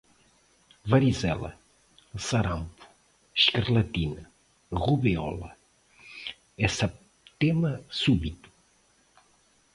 Varicela, Sarampo, Escarlatina, Rubéola, Exabtema Súbito